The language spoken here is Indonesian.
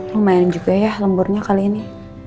lumayan juga ya lemburnya kali ini